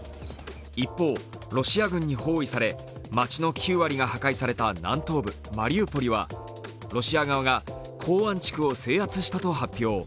一方、ロシア軍に包囲され街の９割が破壊された南東部マリウポリはロシア側が港湾地区を制圧したと発表。